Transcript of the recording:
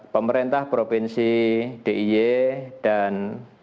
pemerintah provinsi diy dan